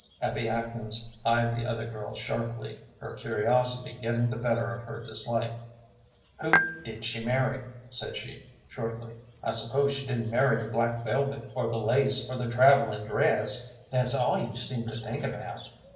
Abby Atkins eyed the other girl sharply, her curiosity getting the better of her dislike. "Who did she marry?" said she, shortly. "I suppose she didn't marry the black velvet, or the lace, or the travelling dress. That's all you seem to think about."